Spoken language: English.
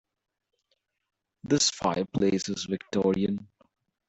This fireplace is victorian.